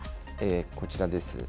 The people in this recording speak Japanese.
こちらです。